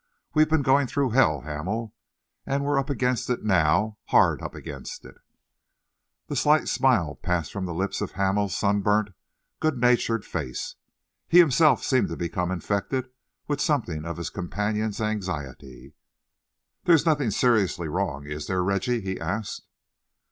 We've been going through hell, Hamel, and we are up against it now, hard up against it." The slight smile passed from the lips of Hamel's sunburnt, good natured face. He himself seemed to become infected with something of his companion's anxiety. "There's nothing seriously wrong, is there, Reggie?" he asked.